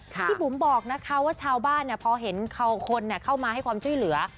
บุ๋มบอกนะคะว่าชาวบ้านพอเห็นคนเข้ามาให้ความช่วยเหลือ